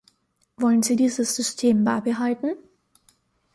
Wollen Sie dieses System beibehalten?